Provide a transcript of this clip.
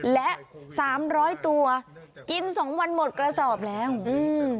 และสามร้อยตัวกินสองวันหมดกระสอบแล้วอืม